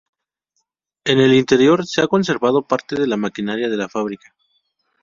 En el interior se ha conservado parte de la maquinaria de la fábrica.